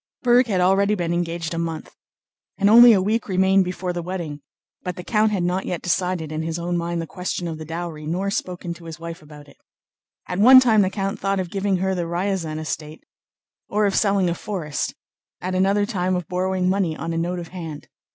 Berg had already been engaged a month, and only a week remained before the wedding, but the count had not yet decided in his own mind the question of the dowry, nor spoken to his wife about it. At one time the count thought of giving her the Ryazán estate or of selling a forest, at another time of borrowing money on a note of hand.